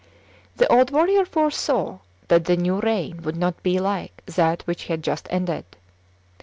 The old warrior foresaw that the new reign would not be like that which had just ended.